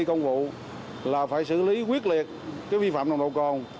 công vụ là phải xử lý quyết liệt cái vi phạm nồng độ cồn